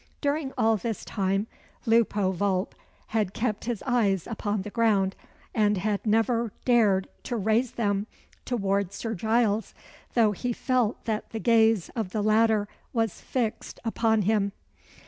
During all this time Lupo Vulp had kept his eyes upon the ground, and had never dared to raise them towards Sir Giles, though he felt that the gaze of the latter was fixed upon him.